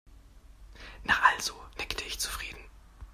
Na also, nickte ich zufrieden.